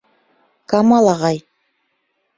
Камал ағай: